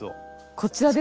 こちらですね！